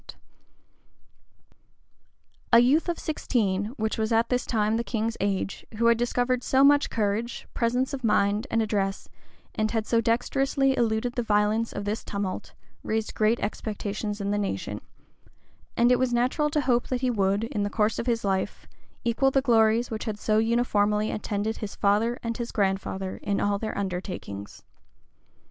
ENTRY INTO LONDON] A youth of sixteen, (which was at this time the king's age) who had discovered so much courage, presence of mind, and address, and had so dexterously eluded the violence of this tumult, raised great expectations in the nation; and it was natural to hope that he would, in the course of his life, equal the glories which had so uniformly attended his father and his grandfather in all their undertakings.